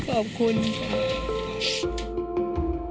ขอบคุณค่ะ